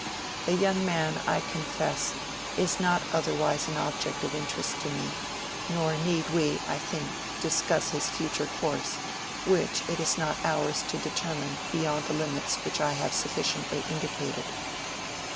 "The young man, I confess, is not otherwise an object of interest to me, nor need we, I think, discuss his future course, which it is not ours to determine beyond the limits which I have sufficiently indicated."